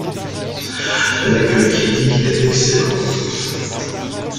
L’accueil critique est excellent.